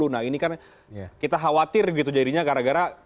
nah ini kan kita khawatir gitu jadinya gara gara